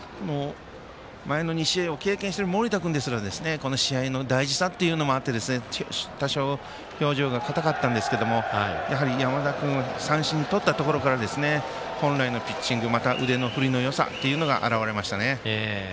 前の２試合を経験してる盛田君ですらこの試合の大事さっていうのもあって多少、表情が硬かったんですけどもやはり山田君を三振にとったところから本来のピッチングまた腕の振りのよさというのが現れましたね。